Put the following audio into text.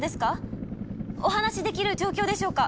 お話しできる状況でしょうか？